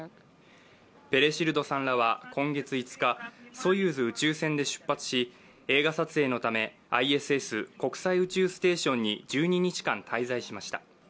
ペレシルドさんらは今月５日ソユーズ宇宙船で出発し、映画撮影のためＩＳＳ＝国際宇宙ステーションに１２日間滞在しました。